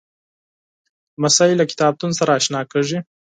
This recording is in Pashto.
لمسی له کتابتون سره اشنا کېږي.